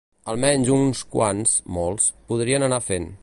Almenys uns quants –molts– podrien anar fent.